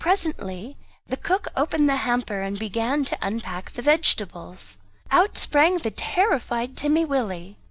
Presently the cook opened the hamper and began to unpack the vegetables. Out sprang the terrified Timmy Willie.